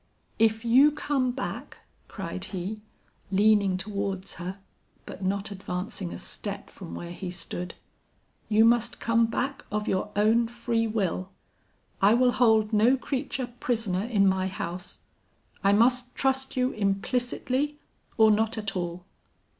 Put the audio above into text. "'If you come back,' cried he, leaning towards her, but not advancing a step from where he stood, 'you must come back of your own free will. I will hold no creature prisoner in my house. I must trust you implicitly, or not at all.